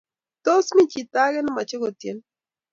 Tos, mi chito age nemache kotyen?